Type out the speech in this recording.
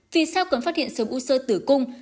vì sao cần phát hiện sớm u sơ tử cung